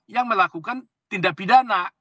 yang melakukan tindak pidana